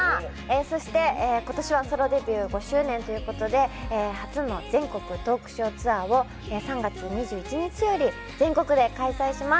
そして今年はソロデビュー５周年ということで初の全国トークショーツアーを３月２１日より全国で開催します